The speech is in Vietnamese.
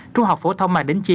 trung học phổ thông mạc đến chi